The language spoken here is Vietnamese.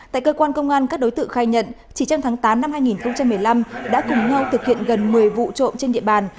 tại cơ quan công an các đối tượng khai nhận chỉ trong tháng tám năm hai nghìn một mươi năm đã cùng nhau thực hiện gần một mươi vụ trộm trên địa bàn